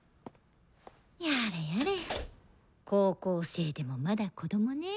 やれやれ高校生でもまだ子供ねぇ。